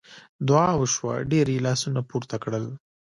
دعا وشوه ډېر یې لاسونه پورته کړل.